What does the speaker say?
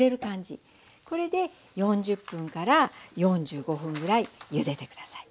これで４０分から４５分ぐらいゆでて下さい。